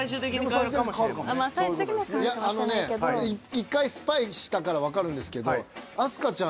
１回スパイしたからわかるんですけど明日香ちゃん